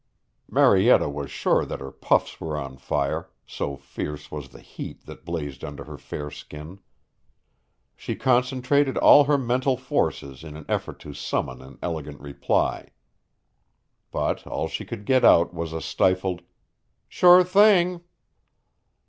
Marietta was sure that her puffs were on fire, so fierce was the heat that blazed under her fair skin. She concentrated all her mental forces in an effort to summon an elegant reply. But all she could get out was a stifled: "Sure thing."